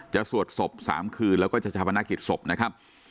จะสวดศพสามคืนและก็จะจะพนักกิจศพนะครับ